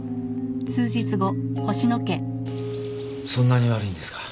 そんなに悪いんですか？